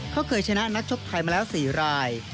เขาเคยชนะนักชกไทยมาแล้ว๔ราย